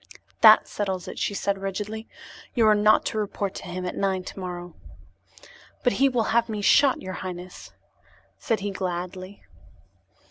"That settles it," she said rigidly. "You are not to report to him at nine tomorrow." "But he will have me shot, your highness," said he gladly.